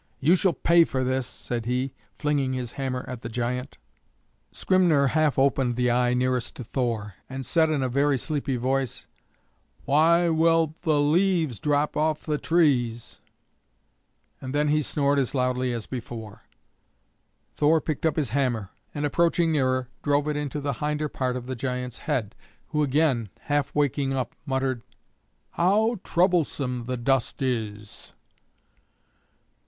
"You shall pay for this," said he, flinging his hammer at the giant. Skrymner half opened the eye nearest to Thor, and said in a very sleepy voice, "Why will the leaves drop off the trees?" And then he snored as loudly as before. Thor picked up his hammer, and approaching nearer drove it into the hinder part of the giant's head, who again, half waking up, muttered, "How troublesome the dust is!"